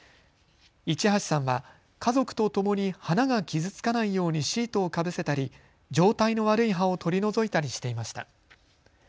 市橋さんは、家族とともに花が傷つかないようにシートをかぶせたり状態の悪い葉を取り除いたりしていました。